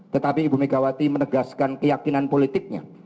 tetapi ibu megawati menegaskan keyakinan politiknya